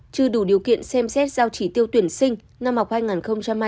chưa đủ điều kiện xem xét giao chỉ tiêu tuyển sinh năm học hai nghìn hai mươi hai nghìn hai mươi